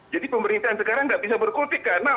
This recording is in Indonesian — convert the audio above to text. jadi pemerintahan sekarang nggak bisa berkutik karena